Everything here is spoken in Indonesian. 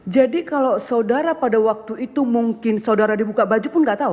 jadi kalau saudara pada waktu itu mungkin saudara dibuka baju pun tidak tahu